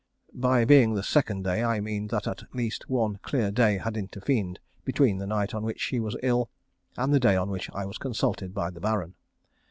By being the second day, I mean that at least one clear day had intervened between the night on which she was ill and the day on which I was consulted by the Baron.